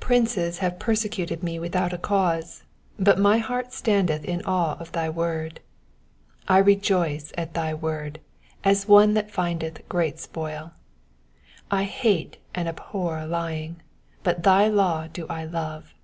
PRINCES have persecuted me without a cause : but my heart standeth in iwe of thy word. 162 I rejoice at thy word, as one that findeth great spoil. 163 I hate and abhor lying : but thy law do I love.